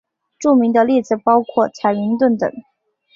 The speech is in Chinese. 著名的例子包括彩云邨等。